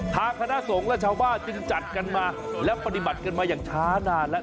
คณะสงฆ์และชาวบ้านจึงจัดกันมาและปฏิบัติกันมาอย่างช้านานแล้ว